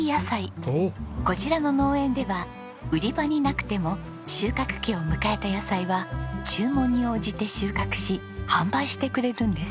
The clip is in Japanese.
こちらの農園では売り場になくても収穫期を迎えた野菜は注文に応じて収穫し販売してくれるんです。